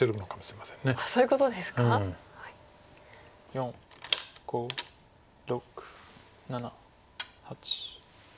４５６７８。